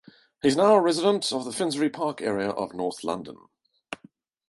He is now a resident of the Finsbury Park area of North London.